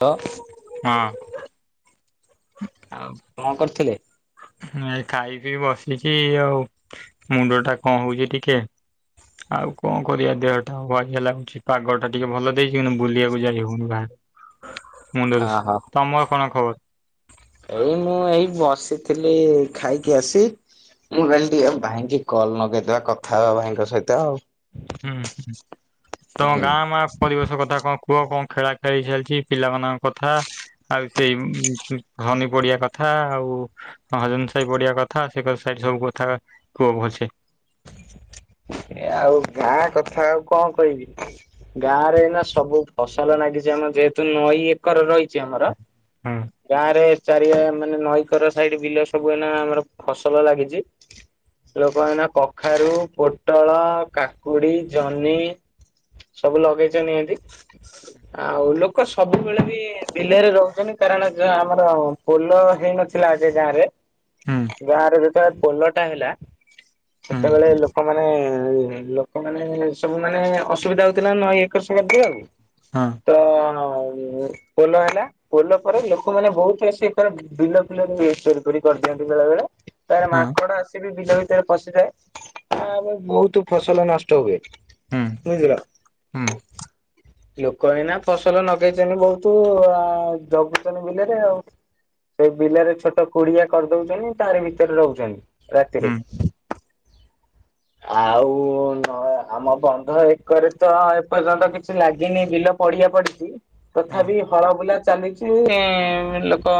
ତ। ହଁ ଆଉ କଣ କରୁଥିଲେ? ମୁଁ ଏଇ ଖାଇ ପିଇ ବସିଛି ଆଉ ମୁଣ୍ଡ ଟା କଣ ହଉଛି ଟିକେ। ଆଉ କଣ କରିବା ଦେହଟା ଅବାଗିଆ ଲାଗୁଛି ପାଗ ଟା ଟିକେ ଭଲ ଦେଇଚି କିନ୍ତୁ ବୁଲିବାକୁ ଯାଇ ହଉନି ବାହାର। ମୁଣ୍ଡ ଦୋଷ ଅହୋ ତମର କଣ ଖବର? ଏଇ ମୁଁ ଏଇ ବସିଥିଲି ଖାଇକି ଆସି। ମୁଁ କହିଲି ଟିକେ ଭାଇଙ୍କି କଲ ନଗେଇଦେବା କଥା ହବା ଭାଇଙ୍କ ସହିତ ଆଉ। ହୁଁ ହୁଁ ତମ ଗାଁ ମା ପରିବେଶ କଥା କଣ କୁହ କଣ ଖେଳା ଖେଳି ଚାଲିଛି ପିଲାମାନଙ୍କ କଥା ଆଉ ସେଇ ଉଁ ଧନୀ ପଡିଆ କଥା। ଆଉ ହଜନ ସାହି ପଡିଆ କଥା ସେ ସବୁ କଥା କୁହ ଭଲସେ ଆଉ ଗାଁ କଥା ଆଉ କଣ କହିବି ଗାଁ ରେ ଏଇ ନା ସବୁ ଫସଲ ଲାଗିଛି ଆମ ଯେହେତୁ ନଈ ଏକର ରହିଛି ଆମର ହୁଁ ଗାଁ ରେ ଚାରିଆ ମାନେ ନଈକର ସାଇଡ ବିଲ ସବୁ ଏନା ଆମର ଫସଲ ଲାଗିଛି ଲୋକମାନେ କଖାରୁ ପୋଟଳ କାକୁଡି ଜହ୍ନି ସବୁ ଲଗେଇଛନ୍ତି ଏହାତି ଆଉ ଲୋକ ସବୁବେଳେ ବି ବିଲରେ ରହୁଛନ୍ତି। କାରଣ ଯୋଉ ଆମର ପୋଲ ହେଇନଥିଲା ଆଗ ଗାଁ ରେ ହୁଁ ଗାଁରେ ଯୋଉଟା ପୋଲ ଟା ହେଲା ହୁଁ ସେତେବେଳେ ଲୋକ ମାନେ ଲୋକମାନେ ସବୁ ମାନେ ଅସୁବିଧା ହଉଥିଲା ନା ନଇ ଏକର ସେକର ଯିବାକୁ ହଁ ତ ପୋଲ ହେଲା ପୋଲ ପରେ ଲୋକମାନେ ବହୁତ ଥର ଆସି ବିଲ ଫିଲରେ ଚୋରୀ କରିଦିଅନ୍ତି ବେଳେବେଳେ ତାର ହଁ ମାଙ୍କଡ ଆସିବି ବିଲ ଭିତରେ ପଶିଯାଏ ଆଉ ଆମର ବହୁତ ଫସଲ ନଷ୍ଟ ହୁଏ। ହୁଁ ବୁଝିଲ? ହୁଁ ଲୋକ ଏଇନା ଫସଲ ଲଗେଇଛନ୍ତି ବହୁତ ଜଗୁଛନ୍ତି ବିଲରେ ଆଉ ସେ ବିଲରେ ଛୋଟ କୁଡିଆ କରିଦଉଛନ୍ତି ତାରି ଭିତରେ ରହୁଛନ୍ତି ହୁଁ ରାତିରେ ଆଉ ନ ଆମ ବନ୍ଧ ଏକରେ ତ ଏପର୍ଯ୍ୟନ୍ତ କିଛି ଲାଗିନି ବିଲ ପଡିଆ ପଡିଛି ହଁ ତଥାପି ହଳ ବୁଲା ଚାଲିଛି ଲୋକ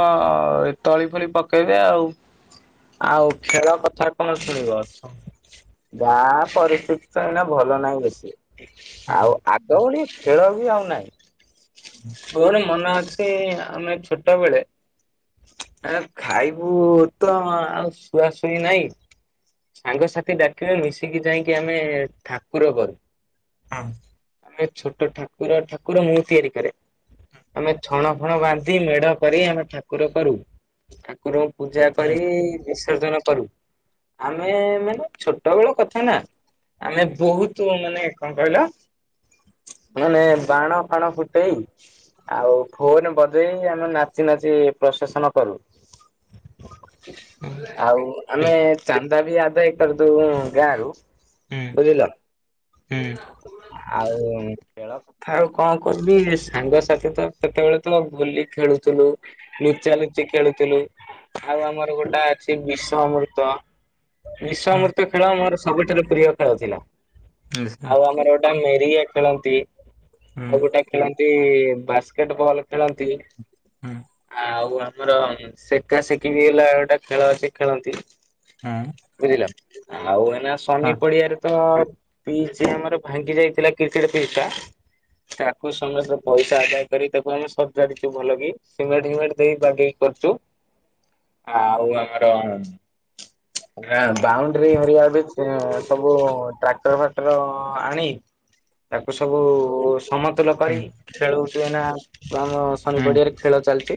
ତଳି ଫଳି ପକେଇବେ ଆଉ ଆଉ ଖେଳ କଥା କଣ ଶୁଣିବ ଅଛ ଗାଁ ପରିସ୍ଥିତି ତ ଏଇନା ଭଲ ନାହିଁ ବେଶି ହଁ ଆଉ ଆଗ ଭଳି ଖେଳ ବି ଆଉ ନାହିଁ ତୋର ମନ ଅଛି ଆମେ ଛୋଟ ବେଳେ ଆ ଖାଇବୁ ତ ଆଉ ଶୁଆ ଶୁଇ ନାହିଁ ସାଙ୍ଗସାଥି ଡାକିବେ ମିଶିକି ଯାଇକି ଆମେ ଠାକୁର କରୁ ହଁ। ଆମେ ଛୋଟ ଠାକୁର ଠାକୁର ମୁଁ ତିଆରି କରେ ଆମେ ଛଣ ଫଣ ବାନ୍ଧି ମେଢ କରି ଆମେ ଠାକୁର କରୁ ଠାକୁରଙ୍କୁ ପୂଜା କରି ବିସର୍ଜନ କରୁ ଆମେ ମାନେ ଛୋଟ ବେଳ କଥା ନା ଆମେ ବହୁତ ମାନେ କଣ କହିଲ ମାନେ ବାଣ ଫାଣ ଫୁଟେଇ ଆଉ ଫୋନ ବଜେଇ ଆମେ ନାଚି ନାଚି ପ୍ରୋସେସନ କରୁ ହୁଁ। ଆଉ ଆମେ ଚାନ୍ଦା ବି ଆଦାୟ କରିଦଉ ଗାଁ ରୁ ବୁଝିଲ ଆଉ ଖେଳ କଥା ଆଉ କଣ କହବି ସାଙ୍ଗସାଥି ତ କେତେବେଳେ ତ ଭୋଲି ଖେଳୁଥିଲୁ ଚାଲୁଚି ଖେଳୁଥିଲୁ ଆଉ ଆମର ଗୋଟା ଅଛି ବିଷଅମୃତ ବିଷ ଅମୃତ ଖେଳ ଆମର ସବୁଠାରୁ ପ୍ରିୟ ଖେଳ ଥିଲା ଆଉ ଆମର ଗୋଟେ ମେରି ଖେଳନ୍ତି ଆଉ ଗୋଟେ ଖେଳନ୍ତି ବାସ୍କେଟ ବଲ ଖେଳନ୍ତି ଆଉ ଆମର ସେକାସେକି ହେଲା ଗୋଟା ଖେଳ ଅଛି ଖେଳନ୍ତି ହୁଁ। ବୁଝିଲ ଆଉ ଏନା ଶନି ପଡିଆରେ ତ ପିଚ ଆମର ଭାଙ୍ଗି ଯାଇଥିଲା କ୍ରିକେଟ ପିଚଟା ତାକୁ ସମସ୍ତେ ପଇସା ଆଦାୟ କରି ତାକୁ ଆମେ ସଜାଡିଛୁ ଭଲ କି ସିମେଣ୍ଟ ଫିମେଣ୍ଟ ଦେଇ ବାଗେଇକି କରୁୁଚ ଆଉ ଆମର ବାଉଣ୍ଡ୍ରି ଘରିକା ବି ସବୁ ଟ୍ରାକ୍ଟର ଫାକ୍ଟର ଆଣି ତାକୁ ସବୁ ସମତୁଲ କରି ଖେଳଛୁ ଏନା ଆମ ଶନିପଡିଆରେ ଖେଳ ଚାଲିଛି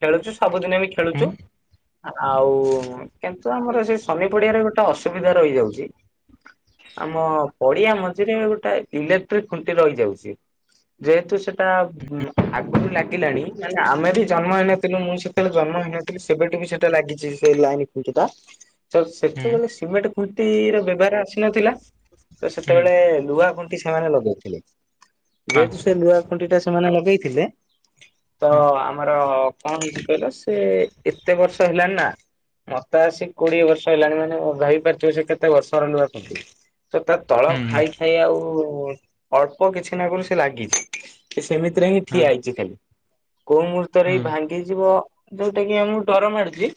ଖେଳୁଛୁ ସବୁଦିନ ବି ଖେଳୁଛୁ ଆଉ କିନ୍ତୁ ଆମର ଶନି ପଡିଆରେ ଗୋଟେ ଅସୁବିଧା ରହିଯାଉଛି ଆମ ପଡିଆ ମଝିରେ ଗୋଟେ ଇଲେକ୍ଟ୍ରିକ ଖୁଣ୍ଟି ରହିଯାଉଛି ଯେହେତୁ ସେଟା ଆଗରୁ ଲାଗିଲାଣି ମାନେ ଆମେ ବି ଜନ୍ମ ହେଇନଥିଲୁ ମୁଁ ସେତେବେଳେ ଜନ୍ମ ଥିଲି ସେବେଠୁ ବି ସେଇଟା ଲାଗିଛି ସେ ଲାଇନ୍ ଖୁଣ୍ଟିଟା ସେତେବେଳେ ସିମେଣ୍ଟ ଖୁଣ୍ଟି ର ବ୍ୟବହାର ଆସିନଥିଲା, ତ ସେତେବେଳେ ଲୁହା ଖୁଣ୍ ସେମାନେ ଲଗେଇଥିଲେ ଯେହେତୁ ସେ ଜୁଆ ଖୁଣ୍ଟିଟା ସେମାନେ ଲଗେଇଥିଲେ ତ ଆମର କଣ ହେଇଛି କହିଲ ସେ ଏତେ ବର୍ଷ ହେଲାଣିି ନା ମତେ ଆସି କୋଡିଏ ବର୍ଷ ଷ ହେଲାଣି ମାନେ ଭାବପାରୁଥିବ ସେ କେତେ ବର୍ଷ ରିଲ ତ ତା ତଳ ଖାଇ ଖାଇ ଆଉ ଅଳ୍ପ କିଛି ନା କରୁ ସେ ଲାଗିଛି ସେମିତିରେ ହିଁ ଠିଆ ହେଇଛି ଖାଲି କୋଉ ମୁହୂର୍ତ୍ତରେ ଏଇ ଭାଙ୍ଗି ଯିବ ଯୋଉଟା କି ଆମକୁ ଡର ମାରିଛି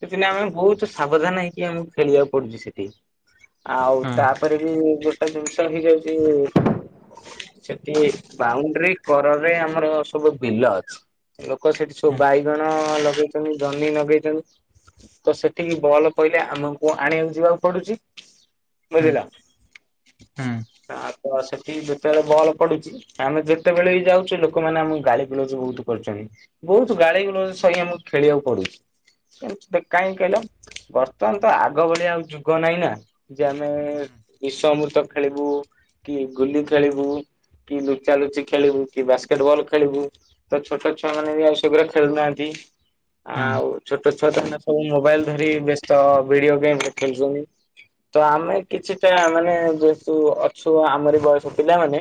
ସେଥିନ ଆମେ ବହୁତ ବଧା ନହିଁ କି ଆମକୁ ଖେଳିବାକୁ, ପଡୁଛି ସେଠି ଆଉ ତାପରେ ବି ଗୋଟେ ଜିନିଷ ହେଇଯାଉଛି ସେ ସେଠି ବାଉଣ୍ଡରି କରରେ ଆମର ସବୁ ବିଲ ଅଛି ଲୋକ ସେଠି ସବୁ ବାଇଗଣ ଲୋକ ଗେଇ ଜହ୍ନି ଲଗେଇଛନ୍ତି ତ ସେଠିକି ଭଲ କହିଲେ ଆମକୁ ଆଣିବାକୁ ଯିବାକୁ ପଡୁଛି ବୁଝିଲ। ହୁଁ। ହଁ ତ ସେଠି ଯେତେବେଳେ ବଲ ପଡୁଛି ଆମେ ଯେତେବେଳେ ବି ଯାଉଛୁ ଲୋକମାନେ ଆମକୁ ଗାଳି ବୁଳଉଛି ବହୁତ ବହୁତ ଗାଳି ଗୁଲ ସ ଆମକୁ ଖେଳିବାକୁ ପଡୁଛି କାହିଁକି କହିଲ ବର୍ତ୍ତମାନ ତ ଆଗ ଭଳିଆ ଆଉ ଯୁଗ ନହିଁ ନା ଯେ ଆମେ ବିଷମୃତ ଖେଳିବୁ କି ଗୁଲି କଳିବୁ କି ଲୁଚା ଲୁଚି ଖେଳିବୁ କି ବାସ୍କେଟ ବଲ ଖେଳିବୁ, ତ ଛୋଟ ଛୁଆ ମାନେ ବି ଆଉ ସବୁରେ ଖେଳୁନାହାନ୍ତି। ଆଉ ଛୋଟ ଛୋ ମ ସବୁ ମୋବାଇଲ ଧରି ବସ୍ତ ଭିଡିଓ ଗେମରେ ଖେୁଛନ୍ତି ତ ଆମେ କିଛିଟା ମାନେ ଯେହେତୁ ଅଛୁ ଆମରି ବୟସ ପିଲାମାନେ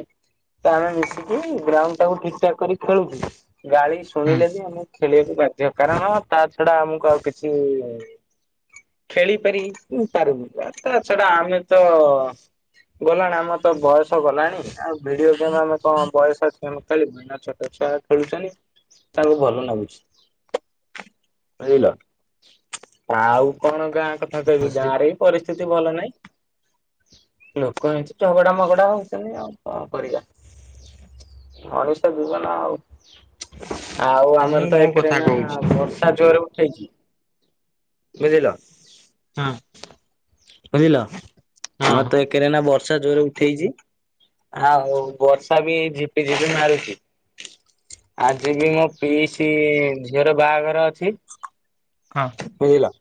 ତ ଆମେ ମିଶିକି ଗ୍ରାଉଣ୍ଡ ଟାକୁ ଠିକ ଠାକ କରିିକ ଖେଳୁଛୁ ଗାଳି ଶୁଣିଲେ ବି ଆମକୁ ଖେଳିବାକୁ ବାଧ୍ୟ କାରଣ ତା ଛଡା ଆମକୁ ଆଉ କିଛି ଖେଳି ପାରି ପାରୁନି ତା ଛଡା ଆମେ ତ ଗଲାଣି ଆମର ତ ବୟସ ଗଲାଣି ଆଉ ଭିଡିଓ ଗେମ ଆମେ କଣ ବୟସ ଛ ଖାଲି ଭନା ଛୋଟ ଛୁଆ ଖେଳୁଛନ୍ତି ତାଙ୍କୁ ଭଲ ଲାଗୁଛି ବୁଝିଲ। ଆଉ କଣ ଗାଁ କଥା କହିବି ଗାଁ ବସି- ରେ ବି ପରିସ୍ଥିତି ଭଲ ନହିଁ ଲୋକ ଏତି ଝଗଡା ମଗଡା ହଉଛନ୍ତି ଆଉ କଣ କରିବା ହଣିଷା ଯିବ ନା ଆଉ ଆଉ ମୁଁ ଆମର ତ ମୋ ଏଥିରେ କଥା ନା କହୁଛି ବର୍ଷା ଜୋରେ ଉଠେଇଛି ବୁଝିଲ ହଁ। ବୁଝିଲ ହଁ ଆମର ତ ଏକରେ ନା ବର୍ଷା ଜୋରେ ଉଠିଇଛି ଆଉ ବର୍ଷା ବି ଝିପି ଝିପି ମାରୁଛି ଆଜି ବି ମୋ ପିଇ ସ ଝିଅର ବାହାଘର ଅଛି ହଁ ବୁଝିଲ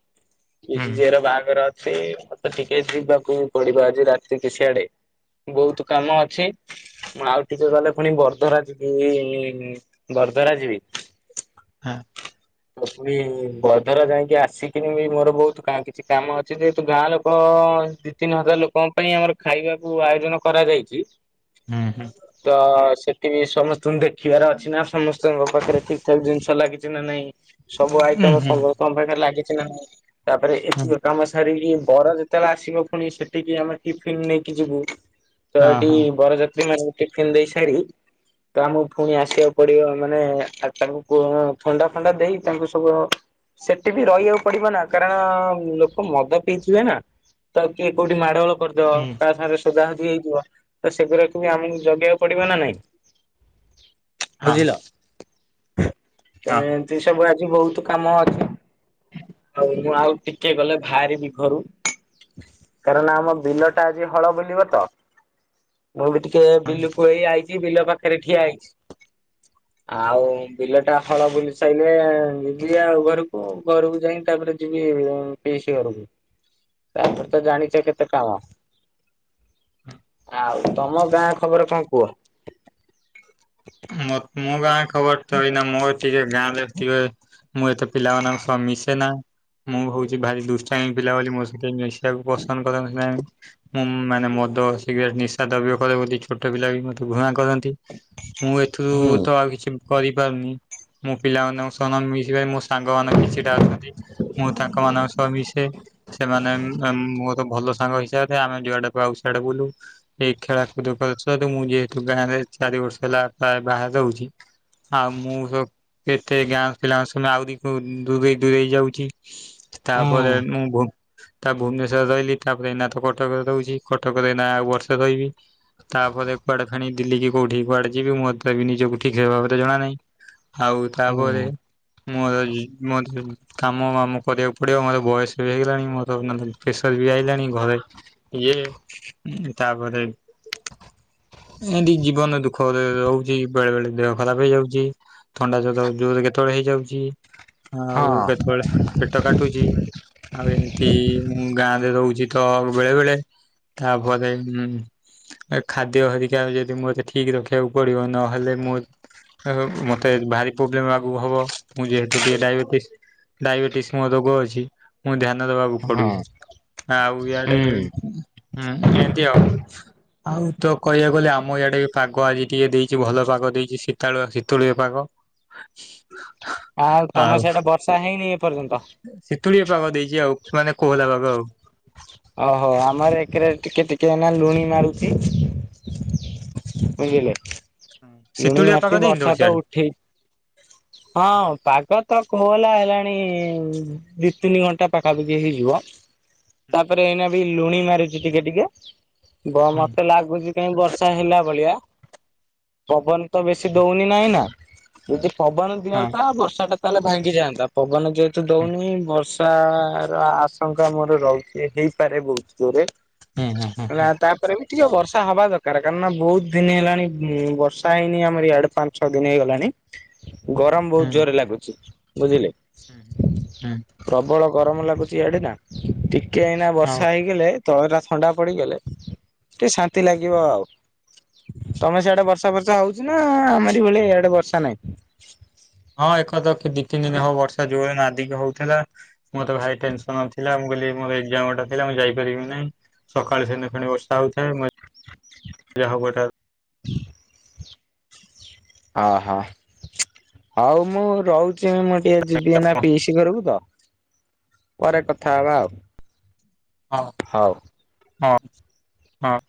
ହୁଁ କିଛିଝର ବାହାଘର ଅଛି ଆଉ ତ ଟିକେ ଯିବାକୁ ପଡିବ ଆଜି ରାତି କିଛିଆଡେ ବହୁତ କାମ ଅଛି ଆଉ ଟିକେ ଗଲେ ପୁଣି ବର୍ଧରା ଯିକି ବର୍ଦ୍ଧାରା ଯିବି ହଁ ତ ପୁ ବଦର ଯାଇକି ଆସିକିନି ବି ମୋର ବହୁତ କିଛି କାମ ଅଛି ଯେହେତୁ ଗାଁର ଲ ଦି ତିନି ହଜାର ଲୋକଙ୍କ ପାଇଁ ଆମର ଖାଇବାକୁ ଆୟୋଜନ କରାଯାଇଛି। ହୁଁ ହୁଁ ତ ସେଠି ସମସ୍ତଙ୍କୁ ଦେଖିବାର ଅଛି ନା ସମସ୍ତ ଙ୍କ ପାଖରେ ଠିକ ଠାକ ଜିନିଷ ଲାଗିଛି, ନା ନାଇଁ ସବୁ ହୁଁ ଆଇଟମ ହୁଁ ସମସ୍ତଙ୍କ ପାଖରେ ଲାଗିଛି ସିନା ତାପରେ ହଁ ଏତିକ କାମ ସାରିକି ବର ଯେତେବେଳେ ଆସିବ ପୁଣି ସେଟିକି ଆମେ ଟିଫିନ ନେଇକି ଯିବୁ। ତ ଏଠି ବରଯା ତ୍ରୀ ମାନଙ୍କୁ ଟିଫନ୍ ଦେଇ ସାରି ତ ଆମକୁ ପୁଣି ଆସିବାକୁ ପଡିବ ମାନେ ଆ ତାଙ୍କୁ ଥଣ୍ଡା ଫଣ୍ଡା ଦେଇ ତାଙ୍କୁ ସବୁ ସେଟି ବି ରହିବାକୁ ପଡିବ ନା କାରଣ ଲୋକ ମଦ ପିଇ ଥିବେ ନା ତ କିଏ କୋଉଠି ମାଡଗୋଳ କରିଦବ। ହଁ କାହା ସାଙ୍ଗରେ ସୁଦାସ ଧି ହେଇଯିବ ତ ସେଗୁରାକ ବି ଆମକୁ ଜଗିବାକୁ ପଡିବ ନା ନାଇଁ? ହଁ। ବୁଝିଲ। ତ ଏମିତି ସବୁ ଆ ଜି ବହୁତ କାମ ଅଛି ଆଉ ମୁଁ ଆଉ ଟିକେ ଗଲେ ବାହାରିବି। ଘରୁ କାରଣ ଆମ ବିଲଟା ଆଜି ହଳ ବୁଲିବ ତ। ମୁଁ ବି ଟିକେ ହଁ ବିଲକୁୁ ଏଇ ଆଇଚି। ବିଲ ପାଖରେ ଠିଆ ହେଇଛି। ଆଉ ହଁ ବିଲଟା ହଳ ବୁଲି ସାଇଲେ ଯିବି ଆଉ ଘରକୁ ଘରକୁ ଯାଇ ତାପରେ ଯିବି ପଇସି ଘରକୁ। ତାପରେ ତ ଜାଣିଚ କେତେ କାାମ। ଆଉ ତୋମ ଗାଁ ଖବର କଣ କୁହ? ମୋ ମୋ ଗାଁ ଖବର ତ ଏଇ ନା ମୋର ଟିକେ ଗାଁରେ ଟିକେ ମୁଁ ଏତେ ପିଲାମାନଙ୍କ ସହ ମିଶିନା। ମୁଁ ହଉଛି ଭାରି ଦୁଷ୍ଟାମି ପିଲା ବୋଲି ମୋ ସହିତ ମିଶ ତାକୁ ପସନ୍ଦ କରନ୍ତି ନାହିଁ। ମୁଁ ମାନେ ମଦ ସିଗରେଟ୍ ନିଶା ଦ୍ରବ୍ୟ କରେ ବୋଲି ଛୋଟ ପିଲା ବି ମୋତେ ଘୂଣା କରନ୍ତି। ମୁଁ ଏଥିରୁ ହୁଁ ତ ଆଉ କିଛି କରିପାରୁନି। ମୁଁ ପିଲାମାନଙ୍କ ସହ ନ ମିଶି ମୋ ସାନ୍ ଙ୍ଗମାନେ କିଛିଟା ଅଛନ୍ତି ମୁଁ ତାଙ୍କ ମାନଙ୍କ ସହ ମିଶେ ସେମାନେ ଉଁ, ଆମ ମୋ ଭଲ ସାଙ୍ଗ ହିସାବରେ ଆମେ ଯୁଆଡେ ପାଉ ସିଆଡେ ବୁଲୁ। ଏଇ ଖେଳା କୁଦ କରିୁଥିବାରୁ ମୁଁ ଯେହେତୁ ଗାଁରେ ଏ ଚାରି ବର୍ଷ ହେଲା ପ୍ରାୟ ବାହାରେ ରହୁଛି। ଆଉ ମୁଁ ସ- କେତେ ଗାଁ ପିଲା ସମୟ ଆଉରି କୋଉ ଦୂରେଇ ଦୂରେଇ ଯାଉଛି। ହୁଁ ତାପରେ ମୁଁ ଭୁବ ତ ଭୁବନେଶ୍ଵର ରହିଲି ତାପରେ ଏଇନା ଥ କଟକରେ ରହୁଛି। କଟକରେ ଏଇନା ଆଉ ବର୍ଷେ ରହିବି। ତାପରେ କୁଆଡେ ଫେଣି ଦିଲ୍ଲୀ କି କୋଉଠି କୁଆଡେ ଯିବି ମୋତେ ବି ନିଜକୁ ଠିକ୍ ସେ ଭାବରେ ଜଣା ନାହିଁ। ଆଉ ହୁଁ ତାପରେ ମୋର ଯି ମୋର ସବୁ କାମ ଆମକୁ କରିବାକୁ ପଡିବ ମୋର ବୟସ ବି ହେଇଗଲାଣି। ମୋର ମାନେ ପ୍ରେସର ବି ଆଇଲାଣି ଘରେ କି ଇଏ ଉଁ, ତାପରେ ଏଠି ଜୀବନ ଦୁଃ ଖରେ ରହୁଚି। ବେଳେ ବେଳେ ଦେହ ଖରାପ ହେଇଯାଉଚି। ଥଣ୍ଡା ଜ୍ଵର ଜୋରେ କେତେବେଳେ ହେଇଯାଉଚି। ହଁ ଆଉ କେତେବେଳେ ପେଟ କାଟୁଚି। ଆଉ ଏମିତି ମୁଁ ଗାଁରେ ରହୁଚି ତ ବେଳେ ବେଳେ ତାପରେ ଉଁ, ଏ ଖାଦ୍ୟ ହେରିକା ଯଦି ମୋତେ ଠି ଠିକ ରଖିବାକୁ ପଡିବ। ନହେଲେ ମୁଁ ଏବେ ମୋତେ ଭାରି ପ୍ରୋବ୍ଲେମ୍ ଆଗକୁ ହବ। ମୁଁ ଯେହେତୁ ଟିକେ ଡାଇବେଟିସ୍ ଡାଇବେଟିସ୍ ମୋ ରୋଗ ଅଛି। ମୁଁ ଧ୍ୟାନ ନ ଦେବାକୁ ହଁ ପଡୁଛି। ଆଉ ଇଆଡେ ଉଁ ହୁଁ, ଏମିତି ଆଉ। ଆଉ ତ କହିବାକୁ ଗଲେ ଆମ ଇଆଡେ ପାଗ ଆଜି ଟିକେ ଦେଇଚି ଭଲ ପାଗ ଦେଇଚି ଶୀତାଳୁଆ ଶୀତୁଳୀଆ ପାଗ। ଆଉ ତୋମେ ସିଆଡେ ବର୍ଷା ହେଇନି ଏ ସିତୁଳିଆ ପାଗ ଦେଇଚି ଆଉ ମାନେ କୋହଲା ପାଗ ଆଉ। ଓହୋ ଆମର ଏକରେ ଟିକେ ଟି କେ ନା ଲୁଣି ମାରୁୁଛି ବୁଝିଲେ। ଲୁଣି ଶୀତୁଳିଆ ପାଗ ମାରୁଚି ଦେଇନି ତମ ବର୍ଷାତ ସିଆଡେ? ଉଠେଇ ହଁ ପାଗ ତ ଖୋହଲା ହେଲାଣି ଦି ତିନି ଘଣ୍ଟା ପାଖାପାଖି ହେଇଯିବ। ତାପରେ ଏଇନା ବି ଲୁଣି ମାରିଚି ଟିକେ ଟିକେ। ବ ହୁଁ ମୋତେ ଲାଗୁଚି କାହିଁ ବର୍ଷା ହେଲା ଭଳିଆ। ପବନ ତ ବେଶୀ ଦଉନି ନାହିଁ ନା। ଯଦି ପବନ ହଁ ଦିଅନ୍ତା ବର୍ଷାଟା ତାହେଲେ ଭାଙ୍ଗି ଯାଆନ୍ତା ପବନ ଯେହେତୁ ଦଉନି ରଆଶଙ୍କା ମୋର ରହୁଛି ହେଇପାରେ ବହୁତ ଜୋରେ ହୁଁ ହୁଁ ନା ହୁଁ। ତାପରେ ବି ଟିକେ ବର୍ଷା ହବା ଦରକାର କାରଣନା ବହୁତ ଦିନ ହେଲାଣି, ବର୍ଷା ହେଇନି ଆମର ଇଆଡେ ପାଞ୍ଚ ଛଅ ଦିନ ହେଇଗଲାଣି ଗରମ ବହୁତ ହୁଁ ଜୋରରେ ଲାଗୁଛି ବୁଝିଲେ ହୁଁ ହୁଁ ପ୍ରବଳ ଗରମ ଲାଗୁଛି ଆଡ଼େନା ଟିକେ ଏଇନା ହଉ ବର୍ଷା ହେଇଗଲେ ତଳେଟା ଥଣ୍ଡା ପଡିଗଲେ ଟିକେ ଶାନ୍ତି ଲାଗିବ ଆଉ। ତମେ ସେଆଡେ ବର୍ଷା ବର୍ଷା ହଉଛି ନା ଆମରି ଭଳିଆ ଏଇଆଡେ ବର୍ଷା ନାହିଁ ହଁ। ଏକ ତ ଦି ତିନି ଦିନ ହବ ବର୍ଷା ଜୋରେ ନ ଅଧିକ ହଉଥିଲା ମୋତେ ଭାରି ଟେନସନ ଥିଲା। ମୁଁ କହିଲି ମୋର ଏଜାମଟା ଥିଲା ମୁଁ ଯାଇପାରିବି କି ନାହିଁ। ସକାଳେ [unintelligible] [inaudible] ଅହୋ ହଉ ମୁଁ ରହୁଛି। ମୁଁ ଟିକେ ଯିବି ଏଇନା ପିଇସି ଘରକୁ ତ ପରେ କଥା ହବା ଆଉ। ହଉ। ହଁ-ହଁ।